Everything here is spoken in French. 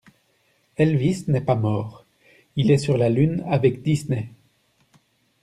Elvis n'est pas mort, il est sur la lune avec Disney.